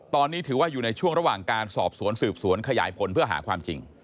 ตอนนี้ถือว่าอยู่ในช่วงระหว่างการสอบสวนสืบสวนขยายผลเพื่อหาความจริง